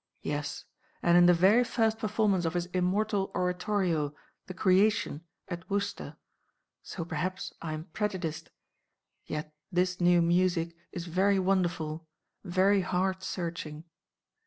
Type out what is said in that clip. Yes! and in the very first performance of his immortal Oratorio, 'The Creation,' at Worcester. So perhaps I am prejudiced. Yet this new music is very wonderful; very heart searching."